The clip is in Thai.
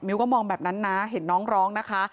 ก็มองแบบนั้นนะเห็นน้องร้องนะคะ